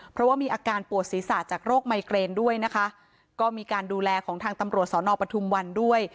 เพราะว่ามีอาการปวดศีรษะจากโรคไมเกรนด้วยนะคะก็มีการดูแลของทางตำรวจสอนอปทุมวันด้วย